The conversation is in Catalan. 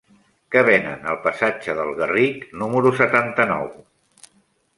Què venen al passatge del Garric número setanta-nou?